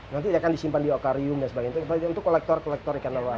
nanti akan disimpan di okarium dan sebagainya untuk kolektor kolektor ikan lawan